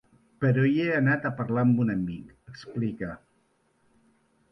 Però hi he anat a parlar amb un amic, explica.